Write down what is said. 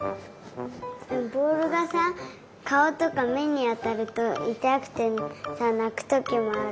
ぼおるがさかおとかめにあたるといたくてさなくときもある。